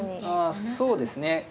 あそうですね。